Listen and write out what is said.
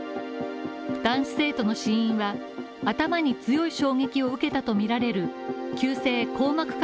男子生徒の死因は頭に強い衝撃を受けたとみられる急性硬膜